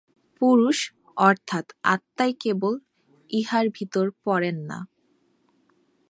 পুরুষ অর্থাৎ আত্মাই কেবল ইহার ভিতর পড়েন না।